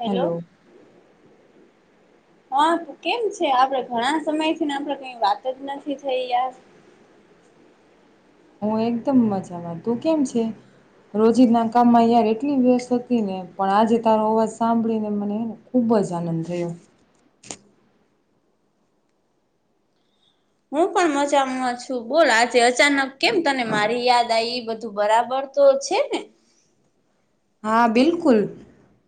Hello hello. હા કેમ છે, આપડે ઘણા સમય થીને આપણેે કઈ વાત જ નથી થઈ યાર [unintelligible] [inaudible] હું એકદમ મજામાં તું કેમ છે. રોજી ના કામમાં યાર એટલી વ્યસ્ત હતી, ને પણ આજે તારો અવાજ સાંભળીને મને ખુબ ખુબ જ આનંદ થયો. હું પણ મજામાં છું, બોલ આજે અચાનક કેમ તને મારી યાદ આવી એ બધું બરાબર તો છે ને હું. હા બિલકુલ.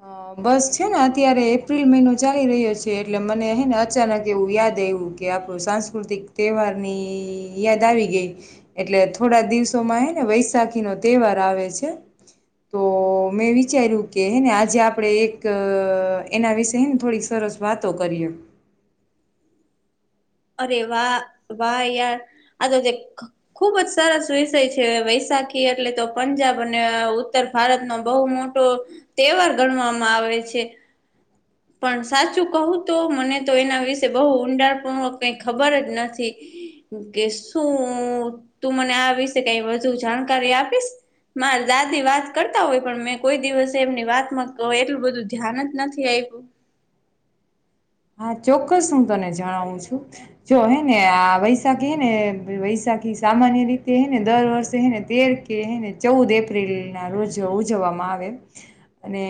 હ બસ છે ને અત્યારે એપ્રિલ મહિનો ચાલી રહ્યો છે, એટલે મને હ ને અચાનક એવું યાદ આવ્યું. આપણું સાંસ્કૃતિક તહેવાર ની યાદ આવી ગઈ એટલે થોડા દિવસોમાં ને વૈશાખી નો તહેવાર આવે છે, તો મેં વિચાર્યું કે હેને આજે આપડે એક એના વિશેને થોડીક સરસ વાતો કરીયે [unintelligible] [inaudible] અરે વાહ વાહ યાર આ તો જે ખુબ જ સરસ વિષય છે. સાખી એટલે તો પંજાબ અને ઉત્તર ભારત નો બહુ મોટો તહેવાર ગણવામાં આવે. આવે છે. હું. પણ સાચું કહું તો મને તો એના વિશે બહુ ઊંડાણપૂર્વક કંઈ ખબર જ નથી. કે શું તું મને આ વિશે કંઈ વધુ જાણકારી આપીશ. મારે દાદી વાત કરતા હોય પણ મેં કોઈ દિવસે એમની વાતમાં એટલું બધું ધ્યાન જ નથી આપ્યું. હા ચોક્કસ હું તને જણાવું છું. જો હે ને આ વૈશાખી હે ને વૈશાખ સામાન્ય રીતે એને દર વર્ષે એને તેર કે એને ચૌદ એપ્રિલ ના રોજ ઉજવવામાં અને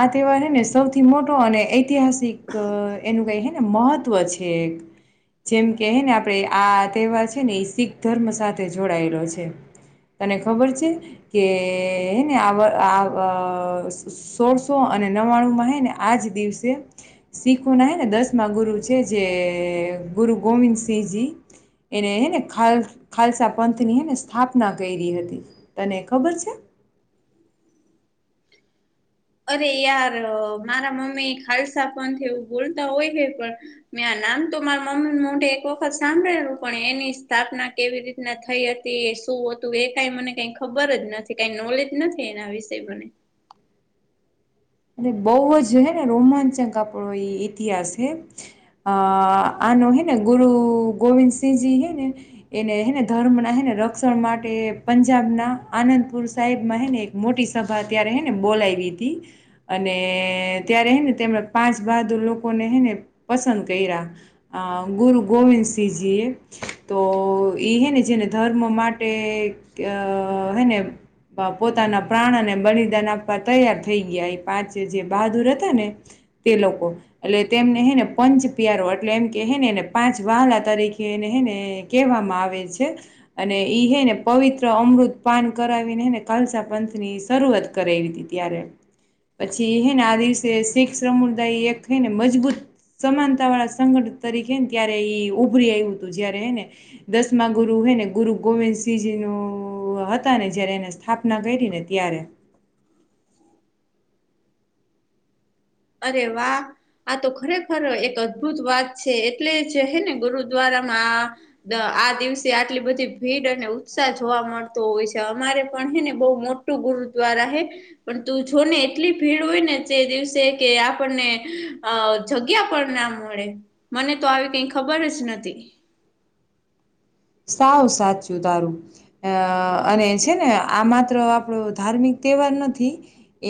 આ તહેવાર ને સૌથી મોટો અને ઐતિહાસિક એનું કંઈ છે ને મહત્ત્વ છે. જેમ કે ને આપણે આ તહેવાર છે ને એ શીખ ધર્મ સાથે જોડાયેલો છે. તને ખબર છે, કેને આ આ સોળસો અને નવાણુંમાં ને આજ દિવસે, શીખ ના ને દસ ગુરુ છે જે ગુરુ ગોવિંદ સિંહજી. એને ખાલ ખાલસા પંથ નીને સ્થાપના કરી હતી, તને ખબર છે? [inaudible] અરે યાર મારા મમ્મી ખાલસા પણ એવું બોલતા હોય છે પણ, મે નામ તો મારા મમ્મ મોઢે એક વખત સાંભળેલું પણ એની સ્થાપના કેવી રીતના થઈ હતી એ શું હતું એ કઈ મને કઈ ખબર જ નથી કઈ નોલેજ નથી એના વિશે મને. હમ. એ બહ જ હ ને રોમાંચક આપણો એ ઇતિહાસ છે આ ન હે ને ગુરુ ગોવિંદસિંહજી હે ને એને હેને ધર્મ ના હેને રક્ષણ માટે. પંજાબ ના આનંદપુર સાહેબ માં હેને એક મોટી સભા અત્યારે હેને બોલાવી હતી અને ત્યારે હે ને તેમણે પાંચ બહાદુર લોકોને હે ને પસંદ કર્યા આ ગુરુ ગોવિંદસિંહજીએ તો એ હૈ ને જેને ધર્મ માટે કે અ હેને પોતાના પ્રાણને બલિદાન આપવા તૈયાર થઈ ગયા. પાંચ જે બહાદુર હતા ને તે લોકો એટલે તેમને હે ને પંચ પ્યારો એટલે એમ કે હેનેને પાંચ વાલા તરીકે એને હેને કહેવામાં આવે છે અને ઈ હે ને પવ્ર મ્ર અમૃત પાન કરાવીનેને કલસા પંથ ની શરૂઆત કરાવી હતી ત્યારે. પછી હે ને આ દિવસે શીખ સમુદાય એક છે ને મજબૂત સમાનતા વાળા સંગઠ તરીકેને ત્યારે ઉભરી આવ્યું હતું જયારે હેને દસમા ગુરુ મેને ગુરુ ગોવિંદસિંહજી ન હતા ને જયારે એને સ્થાપના કરી ને ત્યારે. અરે વાહ આ તો ખરેખર એક અદ્ભુત વાત છે એટલે જ હે ને ગુરુદ્વારા આ દિવસે આટલી બધી ભીડ અને ઉત્સાહ જોવા મળતો હોય છે અમારે પણ હે ને બહુ મોટું ગુરુદ્વારા હે, પણ તું જો ને એટલી ભીડ હોય ને જે દિવસે કે આપણને, જગ્યા પણ ના મળે, મને તો આવી કઈ ખબર જ નથી. [inaudible] સાવ સાચું તારું, અ અને છે ને આ માત્ર આપણો ધાર્મિક નથી,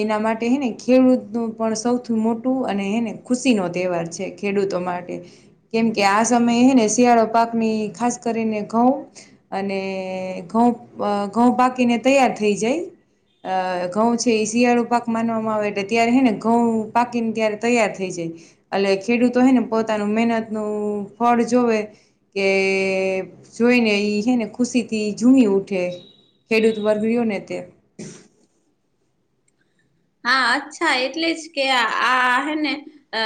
એના માટે હેને ખેડૂત ન પણ સૌથી મોટું અને હેને ખુશી નો તવાર છે ખેડૂતો માટે, કેમકે આ સમયે હને શિયાળો પાકની ખાસ કરીને ઘઉં, અને ઘઉં ઘઉં પાકીને તૈયાર થઈ જાય. અ ઘઉં છે એ શિયાળુ પાક માનવામાં આવે એટલે ત્યારે હે ને ઘઉં પાકીને ત્યારે તૈયાર થઈ જાય. એટલે ખેડૂતો હય ને પોતાનું મહેનત નું ફળ જોવે, કે જોઈને એ હ ને ખુશીથી ઝૂની ઉઠે, ખેડૂત વર્ગઓ ને તે. હા અચ્છા એટલે જ કે આ ને અ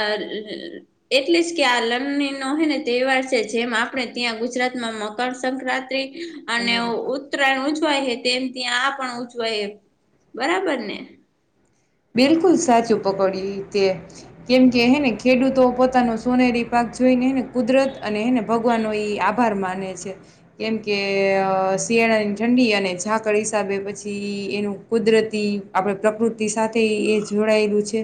એટલે જ કે લગણી નો તહેવાર છે જેમ આપણે ત્યાં ગુજરાત માં મકરસંક્રાંતિ અને સોનારી પાક ઉત્તરાયણ ઉજવાય. તેમ ત્યાં આ પણ ઉચવાય બરાબર ને. બિલકુલ સાચું પકડી્યું તે, કેમકે હેને ખેડૂતો પોતાનું સોનેરી પાક જોઈને એને કુદરત અને એને ભગવાનનો એ આભાર માને છે, કેમ કે શિયાળાની ઠંડી અને ઝાકળ હિસાબે પછી એનું કુદરતી આપણે પ્રકૃતિ સાથે એ જોડાયેલું છે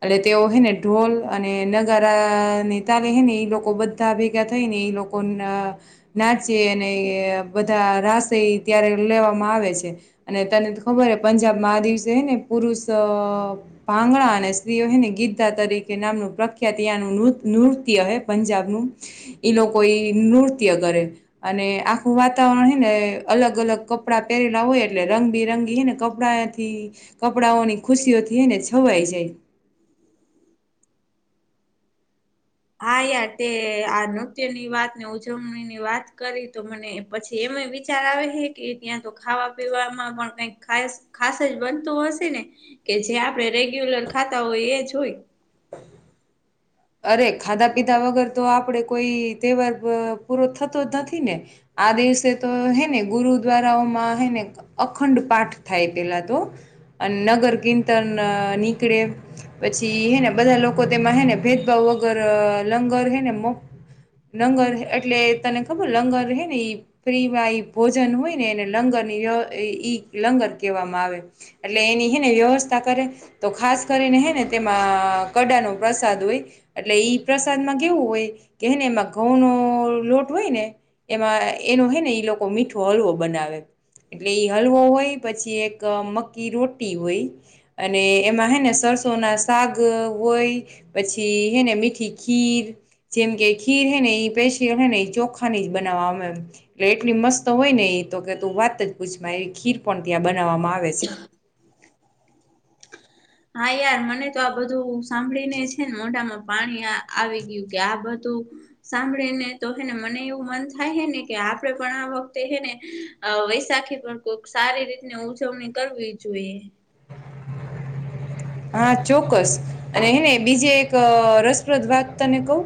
એટલે તેઓ હે ને ઢોલ અને નગારા ને તાલી. ને એ લોકો બધા ભેગા થઈ ને એ લોકો ન નાચે અને બધા રા પાસે ત્યારે લેવામાં આવે છે, અને તને ખબર હ પંજાબ મા આ દિવસે હ ને પુરુષ. તો ભાંગડા અને સ્ત્રીઓને ગીત ગા તા તરીકે નામનું પ્રખ્યાતનું નૃત્ય. હ પંજાબનું ઈ લોકો નૃત્ય કરે અને આખું વાતાવરણ હને. અલગ અલગ કપડા પહેરેલા હોય એટલે રંગ બિરંગી હ ને કપડાથી કપડાઓની. ખુશીઓથી ને છવાઈ જાય. હા યાર તે આ નૃત્યની વાત ને ઉજવણી ની વાત કરી તો મને પછી એમ તમે વિચાર આવે હ કે ત્યાં તો ખાવા પીવાવામાં પણ કઈક ખાસ ખાસ જ બનતું હશે ને. કે જે આપણેે રેગ્યુલર ખાતા હોય એ જ હોય. [inaudible] અરે ખાધા પીધા વગર તો આપડે કોઈ તહેવાર પૂરો થતો જ નથી ને. આ દિવસે તો હે ને ગુરુ દ્વારાઓમાં હેને અખંડ પાઠ થાય પેલા તો અને નગર કિતન નીકળે પછી હેને બધા લોકો તેમાં હેને ભે વગર લંગર હે નેમ લંગર એટલે તને ખબર લંગર હ ને એ ફ્રીમાં એ ભોજન હોય ને એ લંગર લંગર કહેવામાં આવે એટલે એની હે ને વ્યવસ્થા કરે તો ખાસ કરીને તેમાં કડા નો પ્રસાદ હોય. એટલે ઈ પ્રસાદમાં કેવું હોય કે હેને એમાં ઘઉં નો લોટ હોય ને એમાં. એનો હે ને ઈ લોકો મીઠો હલવો બનાવે. એટલે ઈ હલવો હોય પછી એક મકી રોટી હોય અને એમાં હે ને સર. સો ના શક હોય પછી. હેને મીઠી ખીર જેમ કે ખીર હે ને એ પેશ હે ને ચોખાની જ બનાવવા. એટલે એટલી મસ્ત હોય ને એ તો કે તું વાત જ પૂછમાં એ ખીર પણ ત્યાં બ આવે છે. હા યાર મને તો આ બધું સાંભળી ને છે ને મોઢામાં પાણી આવી ગયું કે આ બધું. સાંભળને તો મને એવું મન થાય હેને કે આપે પણ આ વખતે હેને વૈશાખી પણ કોઈક સારી રીતની ઉજવણી કરવી જોઈએ. હા ચોક્કસ અને હેને બીજે એક રસપ્રદ વાત તને કહુ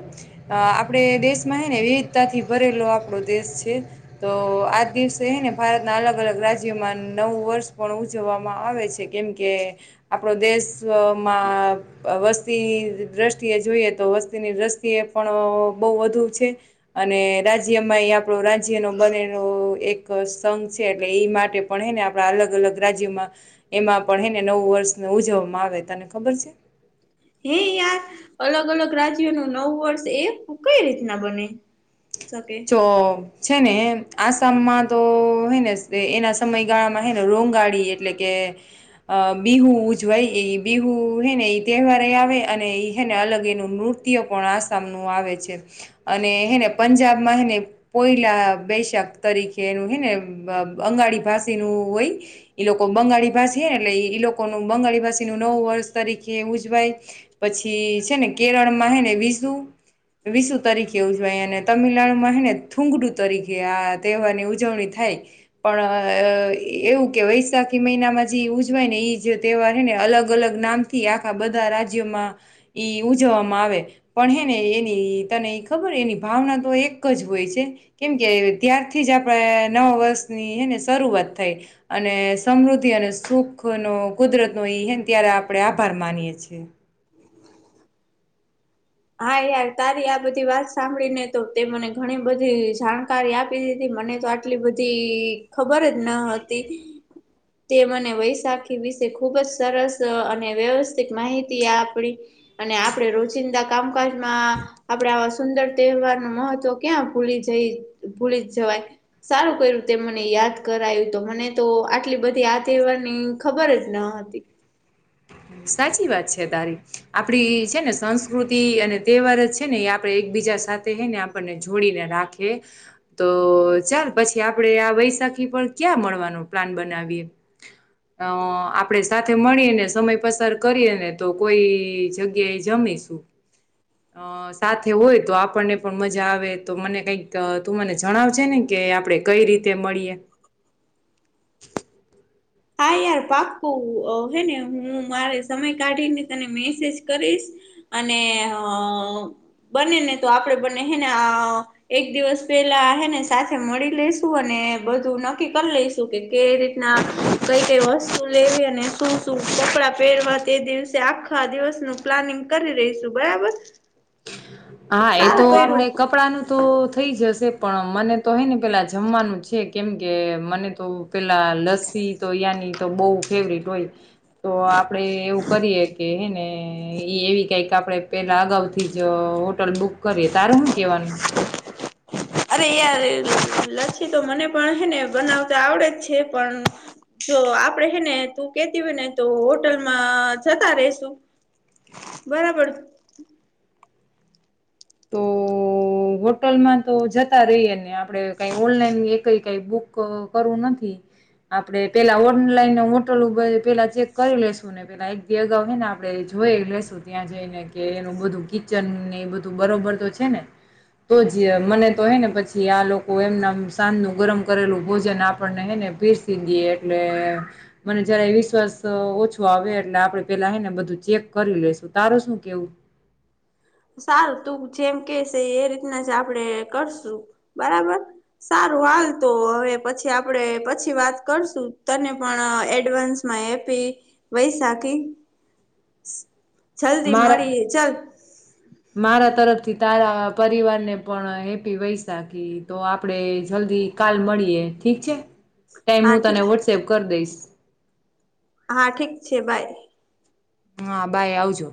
આપણે દેશમાં હ ને વિવિધતાથી ભરેલો આપણો દેશ છે તો આજ દિવસે હ ને ભારત ભારત ના અલગ અલગ રાજ્યોમાં નવું વર્ષ પણ ઉજવવામાં આવે છે કેમ કે આપણો દેશ માં વસ્તી દૃષ્ટિએ જોઈએ તો વસ્તીની દ્રષ્ટિએ પણ બહુ વધુ છે, અને રાજ્યમાં એ આપણો રાજ્યનો બનેલો એક સંઘ છે. એટલે એ માટે પણ હે ને આપણા અલગ અલગ રાજ્યોમાં એમાં પણ હે ને નવું વર્ષ ન ઉજવવામાં. આવે તને ખબર છે. હે યાર અલગ અલગ રાજ્યો ન નવું વર્ષ એ કઈ રીતના બને. શકે ચો [unintelligible] છે ને આસામમાં તો હે ને એના સમયગાળામાં હે ને રોંગાળી એટલે કે બિહુ ઉજવાય એ બિહુ હેને એ તહેવાર આવે અને એેને અલગ નૃત્ય પણ આસામ નુ આવે છે અને હેને પંજાબ ને પોયલા બેૈશાખ તરીકે એનું હેને અંગાળી ભાષી નું હોય. ઈ લોકો બંગાળી ભાષીને એટલે ઈ લોકોનું બંગાળી ભાષીનું નવું વર્ષ તરીકે ઉજવાય પછી છે ને કેરળ માં હ ને વિસુ વિસુ તરીકે ઉજવાય અને તમિલનાડુ ને થૂગડું તરીકે આ તહેવાર ની ઉજવણી થાય પણ એવું કે વૈશાખી મહિનામાં જે ઉજવાય ને એ જે તહેવાર છે ને અલગ અલગ નામથી આખા બધા રાજ્યોમાં ઉજવવામાં આવે પણ હેને એની તને ખબર એની ભાવના તો એક એક જ હોય છે કેમ કે ત્યાર્થી જ આપણે નવા વર્ષનીને શરૂઆત થાય અને અને સમૃદ્ધિ અને સુખ નો કુદરત નો એ ત્યારે આપડે આભાર માનીયએ છીએ હા યાર તારી આ બધી વાત સાંભળી ને તો તે મને ઘણી બધી જાણકારી આપી દીધી મને તો આટલી બધી ખબર જ ન હતી. તે મને વૈશાખી વિશે ખૂબ જ સરસ અને વ્યવસ્થિત માહિતી આપણી. અને આપડે રોજિંદા કામકાજમાં આપડે આવા સુંદર તહેવાર નું મહત્વ ક્યાં ભૂલી જઈ ભૂલી જવાય સારું કર્યું તે મને દ યાદ કરાયું તો મને તો આટલી બધી આ તહેવાર ની ખબર જ ન હતી. [inaudible] સાચી વાત છે તારી આપડી છે ને સંસ્કૃતિ અને તહેવાર જ છે ને એ આપડે એક બીજા ને આપણને જોડીને રાખે તો ચાલ પછી આપણે આ વૈશાખી પર. ક્યા મળનો પ્લાન બનાવીએ આપણે સાથે મળીને સમય પસાર કરીએ ને તો કોઈ જગ્યાએ જમીશું. અ સાથે હોય તો આપણને પણ મજા આવે તો મને કઈક તું મને જણાવે ને કે કે આપડણે કઈ રીતે મળીએ? હા યાર પાકું હે ને હું મારે સમય કાઢી ને તને મેસેજ કરીશ. અને હ બને ને તો આપડે બને હેને એક દિવસ પેલા હેને સાથે મળી લેશું અને બધું નક્કી કરી લઈશું કે કેવી રીતના કઈ કઈ વસ્તુ લેવી અને શું શું કપડાં પહેરવા તે દિવસે આખા દિવસનું પ્લાનિંગ કરી રહીશું બરાબર. હા એ તો આપડે કપડા નું તો થઇ જશે પણ મને તો હે ને પેલા જમવાનું છે કેમ કે મને તો પેલા લસ્સી તો યાની તો બહુ ફેવરેટ હોય. તો આપડે એવું કરીએ કે હે ને ઈ એવી કઈ કે આપડે પેલા અગાઉથી જ હોટલ બુક કરીએ તારું શું કેવાનું. યાર લસી તો મને પણ હે ને બનાવતા આવડે જ છે પણ જો આપડે હે ને તું કેતી હોય ને તો હોટલમાં જતા રેસુ બરાબર. તો હોટલમાં તો જતા રહીયએ ને આપડે કઈ ઓનલાઈન કઈ કઈ બુક કરવું નથી. આપડે પેલા ઓનલાઈન હોટલ ઉપર પેલા ચેક કરી લેશું ને પેલા એક બે અગા હોય ને આપડે જોઈ લેસું ત્યાં જઈને કે એનું બધું કિચન ને એ બધું બરોબર તો છે ને તો જ મને તો હે ને પછી આ લોકો એમના સાંજ નું ગરમ કરેલું ભોજન આપણને હે ને પીરસી દીએ એટલે મને જરાય વિશ્વાસ ઓછો આવે એટલે આપણે પેલા હ ને બધુ બધું ચેક કરી લેશુ, તારુ શું કેવું? સારું તું જેમ કેશે એ રીતના જ આપડે કરશું બરાબર સારું સારું હાલ તો હવે પછી આપણે પછી વાત કરશું તને પણ એડવાન્સમાં એપ પી વૈસાખી મારા મારા તરફથી થી તારા પરિવાર ને પણ હેપી વૈસાકી તો આપડે જલ્દી કાલ મળીએ. ઠીક છે ટાઈમ હા હું ઠીક તને વોટ્સએપ કરી દઈશ. હા ઠીક છે બાય. હા બાય આવજો.